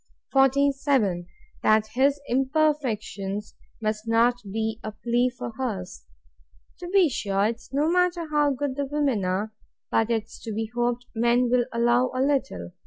47. That his imperfections must not be a plea for hers. To be sure, 'tis no matter how good the women are; but 'tis to be hoped men will allow a little.